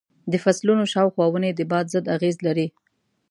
د فصلونو شاوخوا ونې د باد ضد اغېز لري.